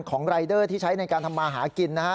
รายเดอร์ที่ใช้ในการทำมาหากินนะฮะ